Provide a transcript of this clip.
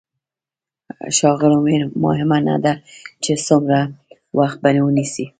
ښاغلو مهمه نه ده چې څومره وخت به ونيسي.